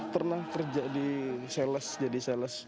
pernah kerja di sales jadi sales